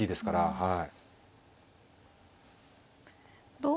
はい。